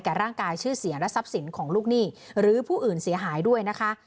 ร่างกายชื่อเสียและทรัพย์สินของลูกหนี้หรือผู้อื่นเสียหายด้วยนะคะ